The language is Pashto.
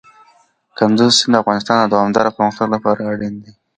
کندز سیند د افغانستان د دوامداره پرمختګ لپاره اړین دی.